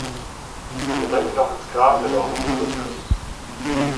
Ihr bringt mich noch ins Grab mit eurem Couscous.